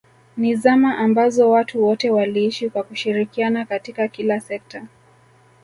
ni zama ambazo watu wote waliishi kwa kushirikiana katika kila sekta